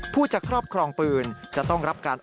ผู้จะครอบครองปืนจะต้องรับการ